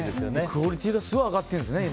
クオリティーがすごい上がっているんですね。